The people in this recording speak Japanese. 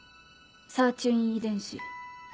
サーチュイン遺伝子。